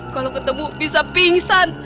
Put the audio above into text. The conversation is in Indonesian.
kalau ketemu bisa pingsan